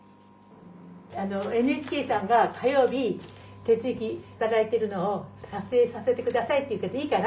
ＮＨＫさんが火曜日徹之働いてるのを撮影させて下さいって言うけどいいかな？